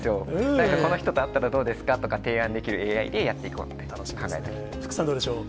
なんかこの人と会ったらどうですかとか提案できるＡＩでやってい福さん、どうでしょう？